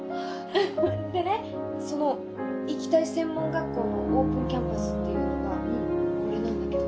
でねその行きたい専門学校のオープンキャンパスっていうのがこれなんだけど。